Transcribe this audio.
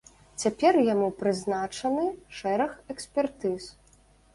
Цяпер яму прызначаны шэраг экспертыз.